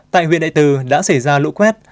tại huyện đại từ đã xảy ra lũ quét